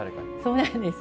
そうなんです。